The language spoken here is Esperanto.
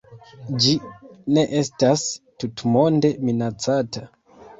Ĝi ne estas tutmonde minacata.